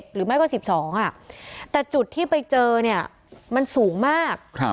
หรือไม่ก็๑๒แต่จุดที่ไปเจอเนี่ยมันสูงมาก